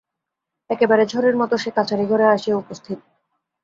একেবারে ঝড়ের মতো সে কাছারিঘরে আসিয়া উপস্থিত।